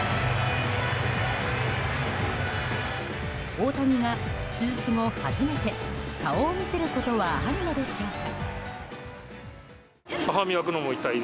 大谷が手術後初めて、顔を見せることはあるのでしょうか。